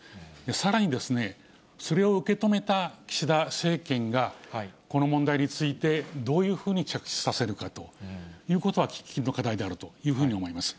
さらにですね、それを受け止めた岸田政権が、この問題についてどういうふうに着地させるかということは、喫緊の課題であるというふうに思います。